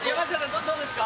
どうですか？